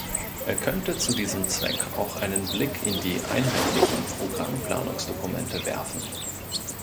Er könnte zu diesem Zweck auch einen Blick in die einheitlichen Programmplanungsdokumente werfen.